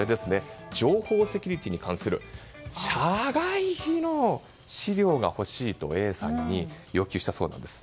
情報セキュリティーに関する社外秘の資料が欲しいとＡさんに要求したそうなんです。